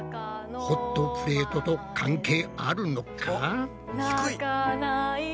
ホットプレートと関係あるのか？